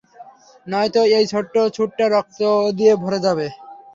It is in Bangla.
নয়তো এই ছোট্ট স্যুটটা রক্ত দিয়ে ভরে যাবে।